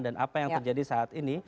apa yang terjadi saat ini